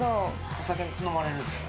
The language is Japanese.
お酒飲まれるんですか？